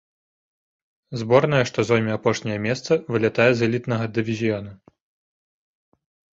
Зборная, што зойме апошняе месца, вылятае з элітнага дывізіёна.